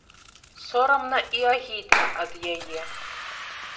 Сорамна і агідна ад яе.